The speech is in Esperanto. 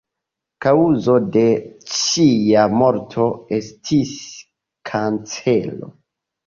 Kaŭzo de ŝia morto estis kancero.